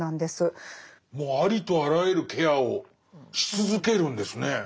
もうありとあらゆるケアをし続けるんですね。